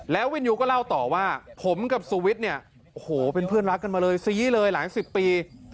แล้ววินยูก็เล่าต่อว่าผมกับสุวิทย์เนี่ยโอ้โหเป็นเพื่อนรักกันมาเลยซี้เลยหลายสิบปี